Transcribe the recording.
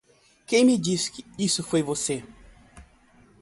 Quem me disse isso foi você!